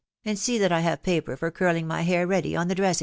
and that I have paper for curling my hair ready on the table